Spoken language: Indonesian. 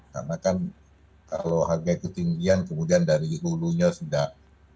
karena kan kalau harga ketinggian kemudian dari hulunya sudah